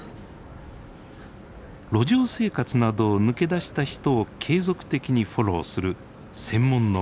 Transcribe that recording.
路上生活などを抜け出した人を継続的にフォローする専門のクリニックです。